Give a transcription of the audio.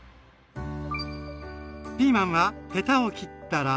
ピーマンはヘタを切ったら。